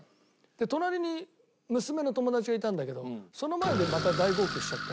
隣に娘の友達がいたんだけどその前でまた大号泣しちゃって。